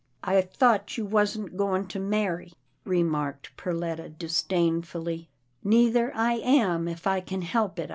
" I thought you wasn't goin' to merry," re marked Perletta disdainfully. " Neither I am, if I can help it.